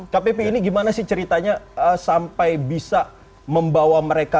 kak pipi ini gimana sih ceritanya sampai bisa membawa mereka